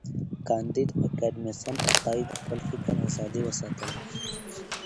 کانديد اکاډميسن عطایي د خپل فکر آزادی وساتله.